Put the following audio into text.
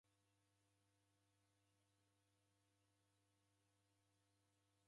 Ughu mwaka kampuni ndeingirie faida.